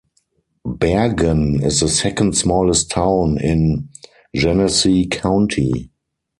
Bergen is the second smallest town in Genesee County.